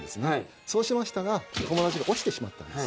そうしましたら友達が落ちてしまったんです。